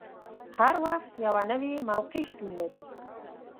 هر وخت یوه نوې موقع شتون لري.